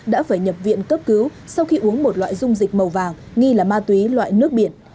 đã phải nhập viện cấp cứu sau khi uống một loại dung dịch màu vàng nghi là ma túy loại nước biển